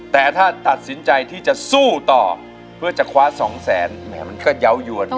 แต่ถ้าตัดสินใจที่จะสู้ต่อเพื่อจะคว้าสองแสนแหมมันก็เยาว์ยวน